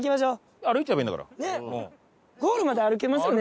ゴールまで歩けますよね。